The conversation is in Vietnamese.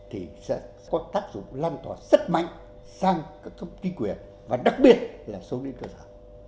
thì sẽ có tác dụng lan tỏa rất mạnh sang các cấp kinh quyền và đặc biệt là số nguyên cơ sở